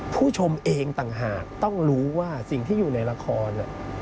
ผู้ชมเองต่างหากต้องรู้ว่าสิ่งที่อยู่ในละคร